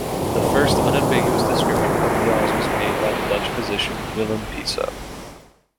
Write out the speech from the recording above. The first unambiguous description of yaws was made by the Dutch physician Willem Piso.